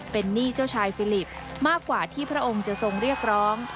เป็นหนี้เจ้าชายฟิลิปมากกว่าที่พระองค์จะทรงเรียกร้อง